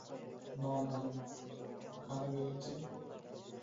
— Noma? Qani, bering-chi.